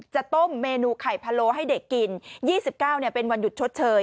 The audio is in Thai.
จะต้มเมนูไข่พะโล้ให้เด็กกินยี่สิบเก้าเนี่ยเป็นวันหยุดชดเฉย